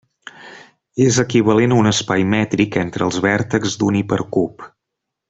És equivalent a un espai mètric entre els vèrtexs d'un hipercub.